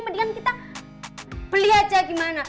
mendingan kita beli aja gimana